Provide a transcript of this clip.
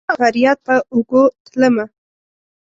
دسنګسار اودفریاد په اوږو تلمه